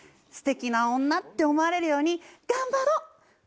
すてきな女って思われるように頑張ろう。